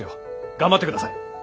頑張ってください！